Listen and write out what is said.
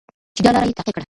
چې دا لاره یې تعقیب کړه.